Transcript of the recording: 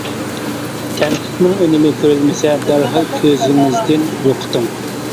تەنقىدنىڭ ئۈنۈمى كۆرۈلمىسە دەرھال كۆزىڭىزدىن يوقىتىڭ.